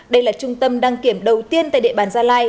đây là trung tâm đăng kiểm đầu tiên tại địa bàn gia lai